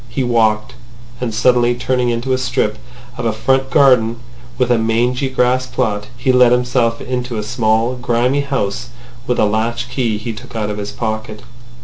He walked. And suddenly turning into a strip of a front garden with a mangy grass plot, he let himself into a small grimy house with a latch key he took out of his pocket.